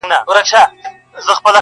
• که زما د خاموشۍ ژبه ګویا سي,